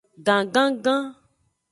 Gangangan.